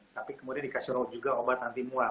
tapi kemudian dikasih juga obat anti mual